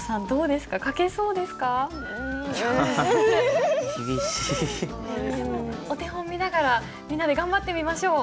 でもお手本見ながらみんなで頑張ってみましょう。